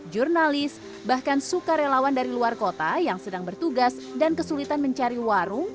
jurnalis bahkan sukarelawan dari luar kota yang sedang bertugas dan kesulitan mencari warung